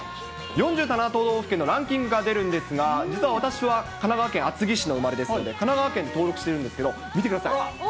４７都道府県のランキングが出るんですが、実は私は、神奈川県厚木市の生まれですので、神奈川県に登録してるんですけど、見てください。